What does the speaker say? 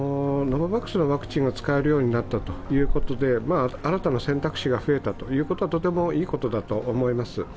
ノババックスのワクチンが使えるようになったことで新たな選択肢が増えたということはとてもいいことだと思います。